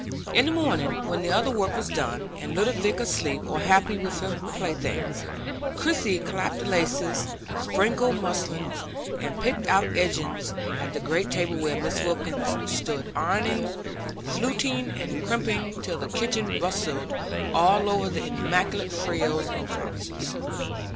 In the afternoon, when other work was done, and little Vic asleep or happy with her playthings, Christie clapped laces, sprinkled muslins, and picked out edgings at the great table where Mrs. Wilkins stood ironing, fluting, and crimping till the kitchen bristled all over with immaculate frills and flounces.